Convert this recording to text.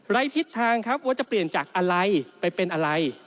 ทิศทางครับว่าจะเปลี่ยนจากอะไรไปเป็นอะไร